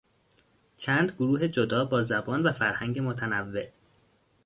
چند گروه جدا با زبان و فرهنگ متنوع